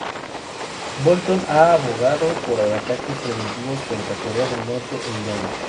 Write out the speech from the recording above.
Bolton ha abogado por ataques preventivos contra Corea del Norte e Irán.